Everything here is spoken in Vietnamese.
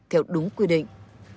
theo đúng quy định